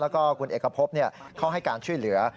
แล้วก็คุณเอกพบเขาให้การช่วยเหลือ